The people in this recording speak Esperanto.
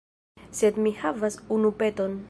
Sed mi havas unu peton.